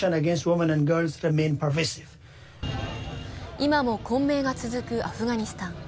今も混迷が続くアフガニスタン。